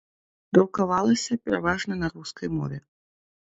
Друкавалася пераважна на рускай мове.